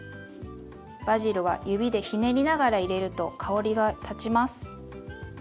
バジルは指でひねりながら入れると香りが立ちます。